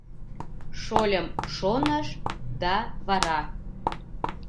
Шольым шоныш да вара